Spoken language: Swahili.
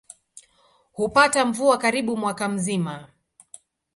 Hupata mvua karibu mwaka mzima.